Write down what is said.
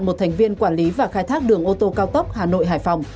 một thành viên quản lý và khai thác đường ô tô cao tốc hà nội hải phòng